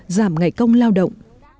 giảm ngày công lao động